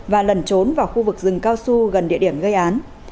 và lẩn trốn vào khu vực rừng cao xu gần địa điểm gây án